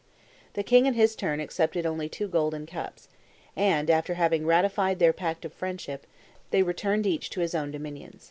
The king, in his turn, accepted only two golden cups; and, after having ratified their pact of friendship, they returned each to his own dominions."